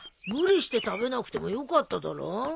無理して食べなくてもよかっただろ。